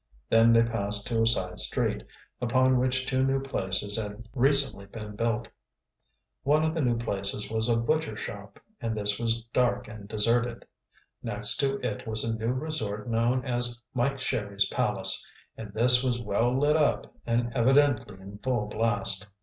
Then they passed to a side street, upon which two new places had recently been built. One of the new places was a butcher shop, and this was dark and deserted. Next to it was a new resort known as Mike Sherry's Palace, and this was well lit up and evidently in full blast.